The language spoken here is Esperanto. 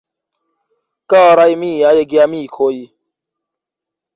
Karaj miaj Geamikoj!